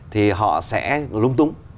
thì họ sẽ lung tung